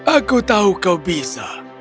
aku tahu kau bisa